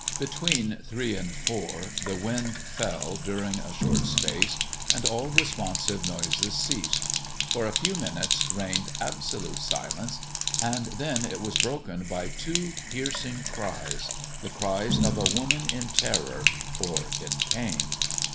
Between three and four the wind fell during a short space, and all responsive noises ceased. For a few minutes reigned absolute silence, then it was broken by two piercing cries the cries of a woman in terror or in pain.